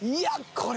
これ。